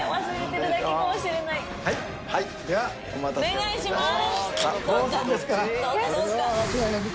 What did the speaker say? お願いします！